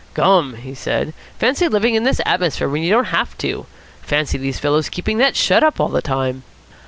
"Gum!" he said. "Fancy living in this atmosphere when you don't have to. Fancy these fellows keeping that shut all the time."